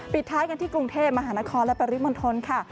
ปิดท้ายกันที่กรุงเทพมหานครและปริมณฑลค่ะ